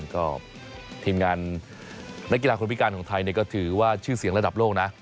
ก็ทีมงานนักกีฬาคนพิการของไทยก็ถือว่าชื่อเสียงระดับโลกนะ